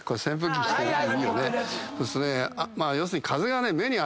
そうするとねまあ要するに。